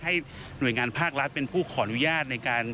ให้หน่วยงานภาครัฐเป็นผู้ขออนุญาตในการ